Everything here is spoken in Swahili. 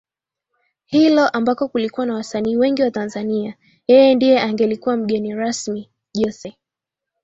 hilo ambako kulikuwa na Wasanii wengi wa Tanzania yeye ndiye angelikuwa mgeni rasmi Jose